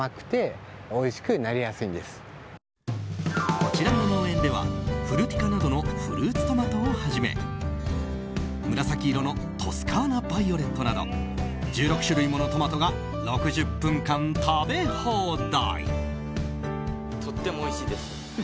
こちらの農園ではフルティカなどのフルーツトマトをはじめ紫色のトスカーナバイオレットなど１６種類ものトマトが６０分間食べ放題。